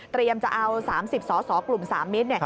เตรียมจะเอา๓๐ส่อกลุ่มสามิต